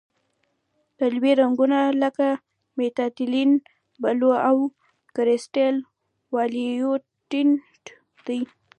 قلوي رنګونه لکه میتیلین بلو او کرسټل وایولېټ دي.